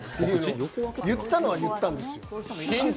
言ったのは言ったんですよ。